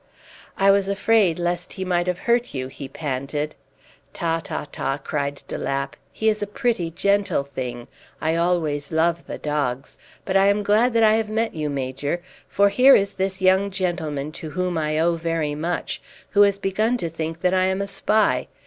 "I was afraid lest he might have hurt you," he panted. "Ta, ta, ta!" cried de Lapp. "He is a pretty, gentle thing; I always love the dogs. But I am glad that I have met you, Major; for here is this young gentleman, to whom I owe very much, who has begun to think that I am a spy.